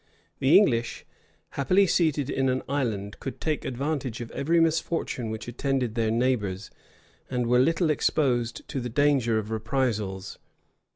The English, happily seated in an island, could make advantage of every misfortune which attended their neighbors, and were little exposed to the danger of reprisals.